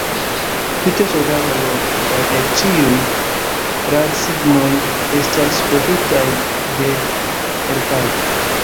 Tute sovaĝa loko, kaj eĉ ĉiuj radsignoj estas kovritaj de herbaĵo!